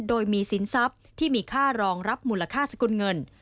โดยมีสินทรัพย์ที่มีค่ารองรับมูลค่าสกุลเงิน